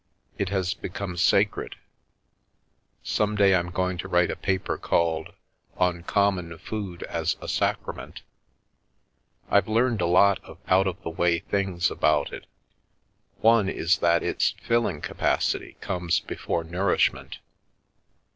It has become sacred. Some day I'm going to write a paper called ' On Common Food as a Sacra ment/ I've learned a lot of out of the way things about it — one is that its filling capacity comes before nourish ment.